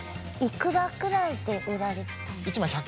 いくらくらいで売られてたんですか？